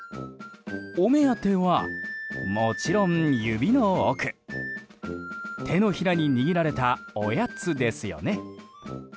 お目当ては、もちろん指の奥手のひらに握られたおやつですよね。